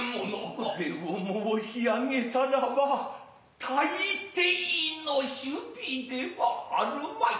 これを申し上げたらば大抵の首尾ではあるまい。